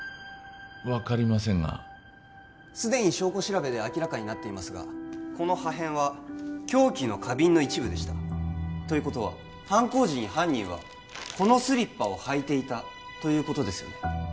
分かりませんがすでに証拠調べで明らかになっていますがこの破片は凶器の花瓶の一部でしたということは犯行時に犯人はこのスリッパを履いていたということですよね？